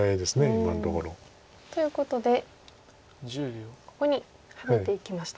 今のところ。ということでここにハネていきました。